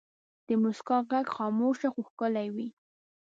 د مسکا ږغ خاموش خو ښکلی وي.